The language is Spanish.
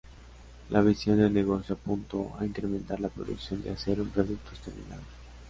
La visión de negocio apuntó a incrementar la producción de acero en productos terminados.